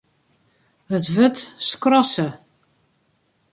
It wurd skrasse.